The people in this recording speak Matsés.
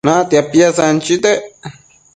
Natia piasanchitec